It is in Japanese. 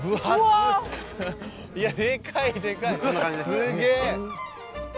すげえ！